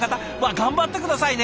頑張って下さいね。